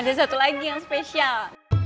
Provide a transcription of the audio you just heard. ada satu lagi yang spesial